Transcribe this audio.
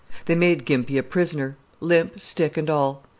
They made Gimpy a prisoner, limp, stick, and all.